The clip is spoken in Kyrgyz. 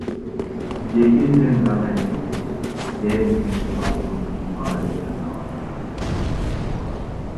Жеке сен гана эмес, сен үчүн классыңдын баары жазаланат.